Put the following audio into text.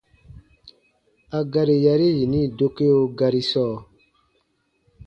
A gari yari yini dokeo gari sɔɔ: